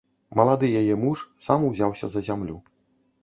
Малады яе муж сам узяўся за зямлю.